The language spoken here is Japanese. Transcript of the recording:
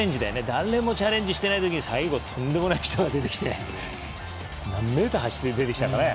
誰もチャレンジしてないときに最後、とんでもない人が出てきて何メーター、走ってきたかね。